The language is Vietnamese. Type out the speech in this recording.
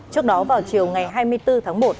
trước đó vào chiều ngày hai mươi bốn tháng một